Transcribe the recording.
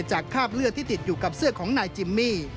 คราบเลือดที่ติดอยู่กับเสื้อของนายจิมมี่